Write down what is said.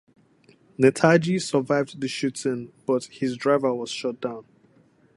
Netaji survived the shooting but his driver was shot down.